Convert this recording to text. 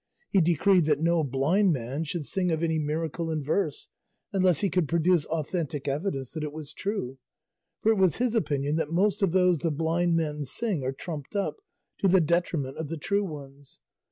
He decreed that no blind man should sing of any miracle in verse, unless he could produce authentic evidence that it was true, for it was his opinion that most of those the blind men sing are trumped up, to the detriment of the true ones.